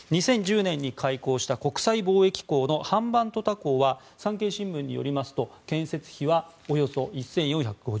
２０１０年に開港した国際貿易港のハンバントタ港は産経新聞によりますと建設費はおよそ１４５０億円。